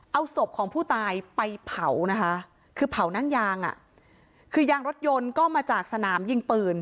เอาศพของผู้ตายไปเผานะคะคือเผานั่งยางอ่ะคือยางรถยนต์ก็มาจากสนามยิงปืน